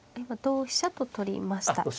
今同飛車と取りました。